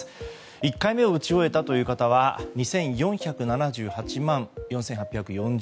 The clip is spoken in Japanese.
１回目を打ち終えたという方は２４７８万４８４０